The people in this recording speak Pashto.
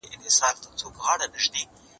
دا بوټونه له هغه پاک دي